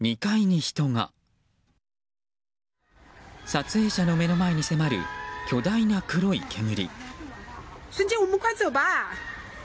撮影者の目の前に迫る巨大な黒い煙。